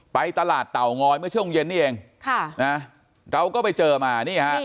ไปตลาดเตางอยเมื่อช่วงเย็นนี่เองเราก็ไปเจอมานี่ฮะ